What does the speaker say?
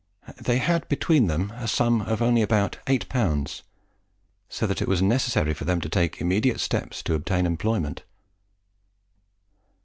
They had between them a sum of only about eight pounds, so that it was necessary for them to take immediate steps to obtain employment.